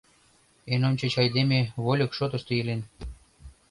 Эн ончыч айдеме вольык шотышто илен.